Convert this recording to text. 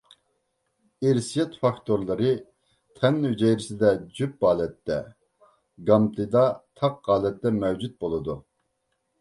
ئىرسىيەت فاكتورلىرى تەن ھۈجەيرىسىدە جۈپ ھالەتتە، گامېتىدا تاق ھالەتتە مەۋجۇت بولىدۇ.